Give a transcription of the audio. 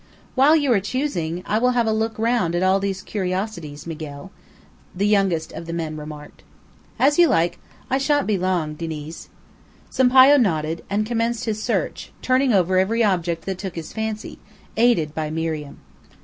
"While you are choosing, I will have a look round at all these curiosities, Miguel," the youngest of the men remarked. "As you like; I shan't be long, Diniz." Sampayo nodded, and commenced his search, turning over every object that took his fancy, aided by Miriam.